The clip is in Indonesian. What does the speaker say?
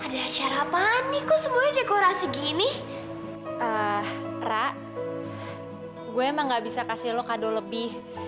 ada acara apaan nih semuanya dekorasi gini eh ra gue emang nggak bisa kasih lo kado lebih